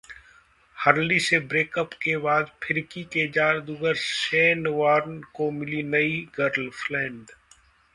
Hurley से breakup के बाद फिरकी के जादूगर शेन वॉर्न को मिली नई गर्लफ्रेंड